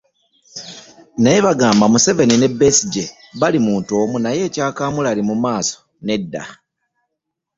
Naye bagamba nti Museveni ne Besigye bali muntu omu naye ebyakamulali mu maaso nedda.